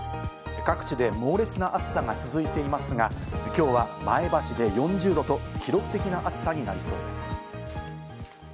各地で猛烈な暑さが続いていますが、今日は前橋で４０度と記録的な暑さになりそうです。